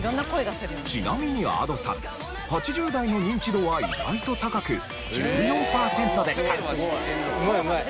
ちなみにＡｄｏさん８０代のニンチドは意外と高く１４パーセントでした。